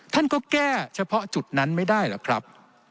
ท่านก็แก้เฉพาะจุดนั้นไม่ได้หรอกครับ